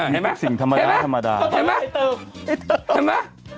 มีพวกสิ่งธรรมดาเลยนะมันเป็นปลื้มมันเป็นเดา